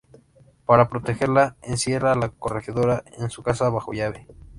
Para protegerla, encierra a la corregidora en su casa bajo llave.